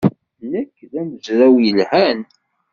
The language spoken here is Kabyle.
Nekk d amezraw yelhan.